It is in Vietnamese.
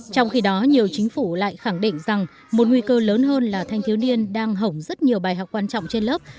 trong khi đó nhiều chính phủ lại khẳng định rằng một nguy cơ lớn hơn là thanh thiếu niên đang hổng rất nhiều bài học quan trọng trên lớp